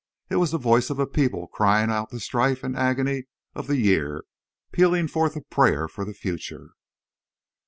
It was the voice of a people crying out the strife and the agony of the year—pealing forth a prayer for the future.